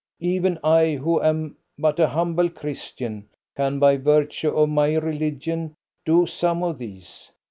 Even I who am but a humble Christian, can, by virtue of my religion, do some of these.